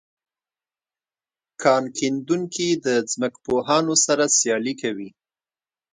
کان کیندونکي د ځمکپوهانو سره سیالي کوي